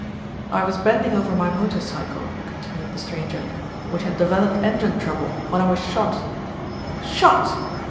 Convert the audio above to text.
"I was bending over my motor cycle," continued the stranger, "which had developed engine trouble, when I was shot " "Shot!"